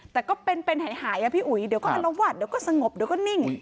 แต่ก็เป็นหายอ่ะพี่อุ๋ยเดี๋ยวก็อลวาดเดี๋ยวก็สงบเดี๋ยวก็นิ่ง